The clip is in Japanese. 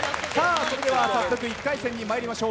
それでは早速１回戦にまいりましょう。